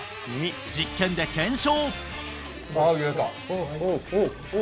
実験で検証